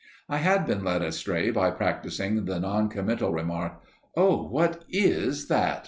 I had been led astray by practicing the non committal remark, "Oh, what is that?"